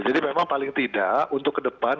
jadi memang paling tidak untuk kedepan